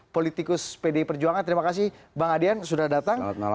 politikus pdi perjuangan terima kasih bang adian sudah datang